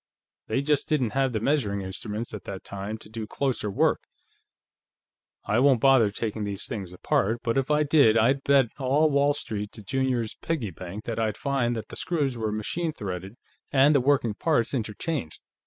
They just didn't have the measuring instruments, at that time, to do closer work. I won't bother taking these things apart, but if I did, I'd bet all Wall Street to Junior's piggy bank that I'd find that the screws were machine threaded and the working parts interchanged.